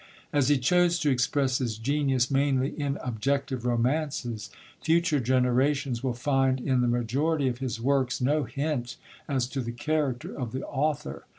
As he chose to express his genius mainly in objective romances, future generations will find in the majority of his works no hint as to the character of the author.